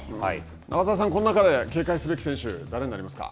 中澤さん、この中で警戒すべき選手は誰になりますか。